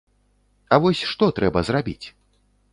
А вось што трэба зрабіць?